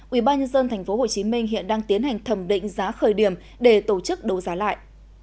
ubnd tp hcm hiện đang tiến hành thẩm định giá khởi điểm để tổ chức đấu giá lại